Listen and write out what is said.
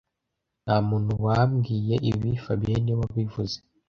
Nta muntu wambwiye ibi fabien niwe wabivuze